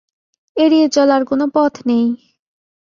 এড়িয়ে চলার কোনো পথ নেই।